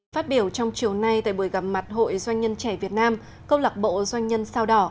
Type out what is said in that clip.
phát biểu trong chiều nay tại buổi gặp mặt hội doanh nhân trẻ việt nam câu lạc bộ doanh nhân sao đỏ